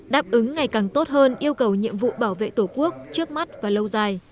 đáp ứng ngày càng tốt hơn yêu cầu nhiệm vụ bảo vệ tổ quốc trước mắt và lâu dài